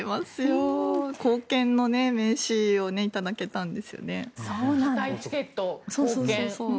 硬券の名刺を頂いたんですよね。